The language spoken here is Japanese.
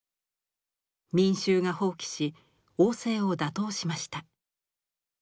民衆が蜂起し王政を打倒しました。